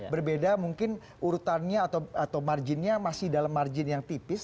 berbeda mungkin urutannya atau marginnya masih dalam margin yang tipis